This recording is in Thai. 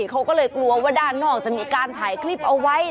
เขาก็เลยกลัวว่าด้านนอกจะมีการถ่ายคลิปเอาไว้